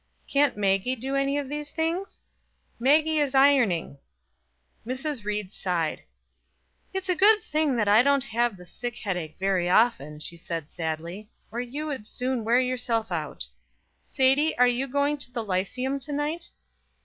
"Can't Maggie do any of these things?" "Maggie is ironing." Mrs. Ried sighed. "It is a good thing that I don't have the sick headache very often," she said sadly; "or you would soon wear yourself out. Sadie, are you going to the lyceum tonight?"